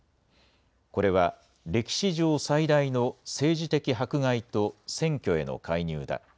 これは歴史上最大の政治的迫害と選挙への介入だ。